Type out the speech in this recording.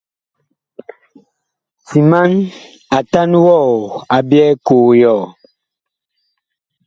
Timan atan wɔ a byɛɛ koo yɔɔ.